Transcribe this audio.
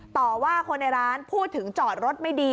ต่อว่าคนในร้านพูดถึงจอดรถไม่ดี